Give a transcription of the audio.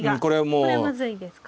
これはまずいですか。